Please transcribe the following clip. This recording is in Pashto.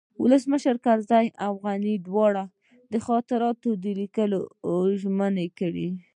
ولسمشرانو کرزي او غني دواړو د خاطراتو د لیکلو ژمني کړې